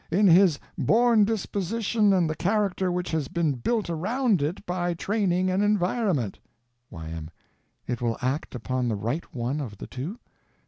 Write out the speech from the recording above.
In his born disposition and the character which has been built around it by training and environment. Y.M. It will act upon the right one of the two?